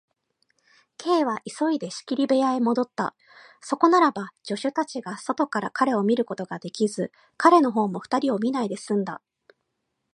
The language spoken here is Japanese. Ｋ は急いで仕切り部屋へもどった。そこならば、助手たちが外から彼を見ることができず、彼のほうも二人を見ないですんだ。